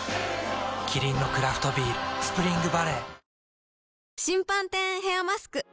キリンのクラフトビール「スプリングバレー」